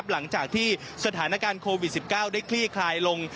หลังจากที่สถานการณ์โควิด๑๙ได้คลี่คลายลง